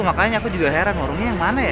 makanya aku juga heran warungnya yang mana ya